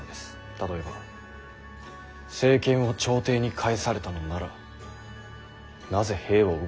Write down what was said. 例えば「政権を朝廷に返されたのならなぜ兵を動かしたのですか」と。